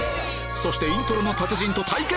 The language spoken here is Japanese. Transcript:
そしてイントロの達人と対決！